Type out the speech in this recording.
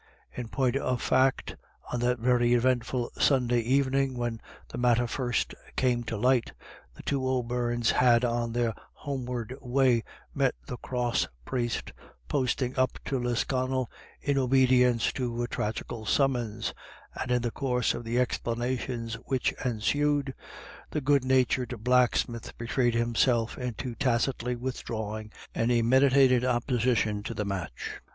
In point of fact, on that very eventful Sunday evening, when the matter first came to light, the two O'Beirnes had on their homeward way met the Cross Priest posting up to Lisconnel in obedience to a tragical summons, and in the course of the explanations which ensued, the good natured blacksmith betrayed himself into tacitly withdraw ing any meditated opposition to the match.